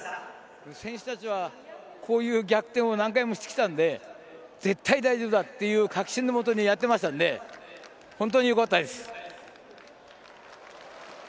選手たちはこういう逆転を何回もしてきたので絶対に大丈夫だという確信のもとやっていましたので本当によかったです。